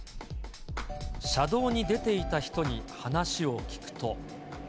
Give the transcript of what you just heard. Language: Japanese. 車道に出ていた人に話を聞くと。